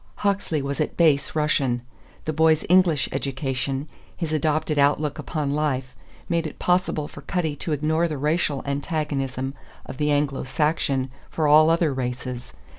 Hawksley was at base Russian. The boy's English education, his adopted outlook upon life, made it possible for Cutty to ignore the racial antagonism of the Anglo Saxon for all other races.